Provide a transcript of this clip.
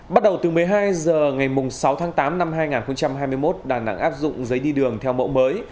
bắt đầu từ một mươi hai h ngày sáu tháng tám năm hai nghìn hai mươi một đà nẵng áp dụng giấy đi đường theo mẫu mới